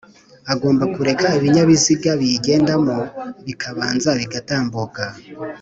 agomba kureka ibinyabiziga biyigendamo bikabanza bigatambuka